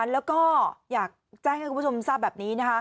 แล้วก็อยากแจ้งให้คุณผู้ชมทราบแบบนี้นะคะ